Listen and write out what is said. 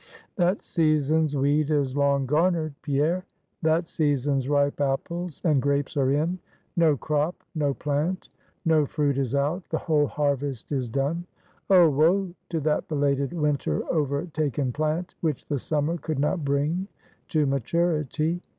That season's wheat is long garnered, Pierre; that season's ripe apples and grapes are in; no crop, no plant, no fruit is out; the whole harvest is done. Oh, woe to that belated winter overtaken plant, which the summer could not bring to maturity!